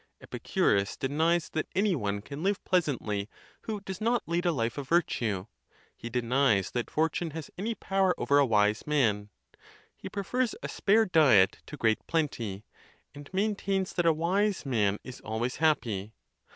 Enpicu rus denies that any one can live pleasantly who does not lead a life of virtue; he denies that fortune has any power over a wise man; he prefers a spare diet to great plenty, and maintains that a wise man is always happy.